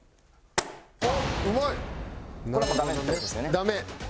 ダメ。